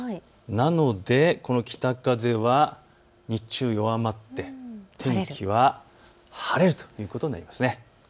なのでこの北風は日中、弱まって天気は晴れるということになります。